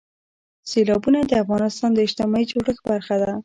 سیلابونه د افغانستان د اجتماعي جوړښت برخه ده.